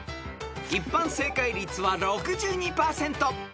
［一般正解率は６２％］